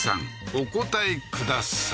お答えください